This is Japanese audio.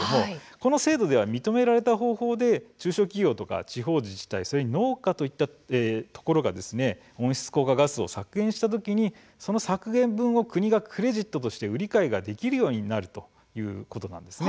この制度は認められた方法で中小企業や地方自治体とかそれに農家といったところが温室効果ガスを削減した時にその削減分を国がクレジットとして売り買いできるようになるということなんです。